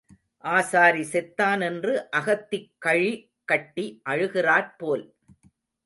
ஆசாரி செத்தான் என்று அகத்திக் கழி கட்டி அழுகிறாற்போல்.